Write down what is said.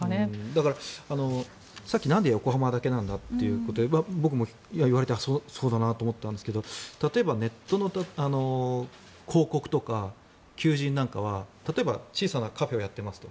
だから、さっき、なんで横浜だけなんだということで僕も言われてそうだなと思ったんですが例えばネットの広告とか求人なんかは例えば小さなカフェをやっていますと。